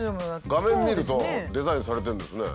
画面見るとデザインされてるんですね。